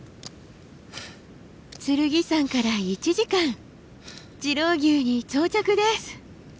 剣山から１時間次郎笈に到着です。